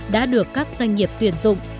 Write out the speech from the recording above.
đã được các doanh nghiệp tuyển dụng